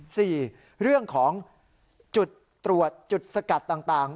สี่เรื่องของจุดตรวจจุดสกัดต่างต่าง